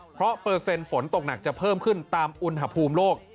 เพราะเปอร์เซ็นต์ฝนตกหนักจะเพิ่มขึ้นตามอุณหภูมิโลก